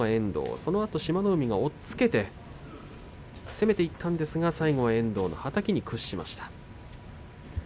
そのあと志摩ノ海が押っつけて攻めていったんですが、最後は遠藤のはたきに屈しました。